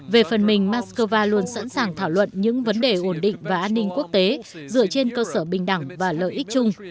về phần mình moscow luôn sẵn sàng thảo luận những vấn đề ổn định và an ninh quốc tế dựa trên cơ sở bình đẳng và lợi ích chung